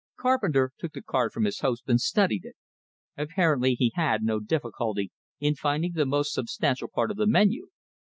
Carpenter took the card from his host and studied it. Apparently he had no difficulty in finding the most substantial part of the menu.